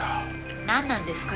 なんなんですか？